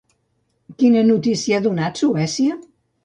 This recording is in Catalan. Quina notícia ha donat Suècia?